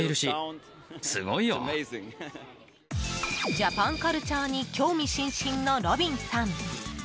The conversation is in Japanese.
ジャパンカルチャーに興味津々のロビンさん。